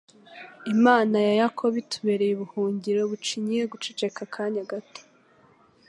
Imana ya Yakobo itubereye ubuhungiro bucinyiye guceceka akanya gato